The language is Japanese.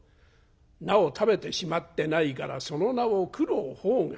菜を食べてしまってないから『その名を九郎判官』。